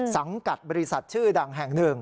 สังกัดบริษัทชื่อดังแห่งหนึ่ง